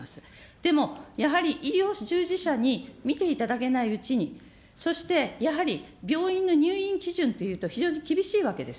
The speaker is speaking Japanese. でもやはり、医療従事者に診ていただけないうちに、そしてやはり病院の入院基準というと非常に厳しいわけです。